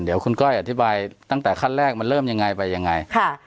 เดี๋ยวคุณก้อยอธิบายตั้งแต่ขั้นแรกมันเริ่มยังไงไปยังไงค่ะ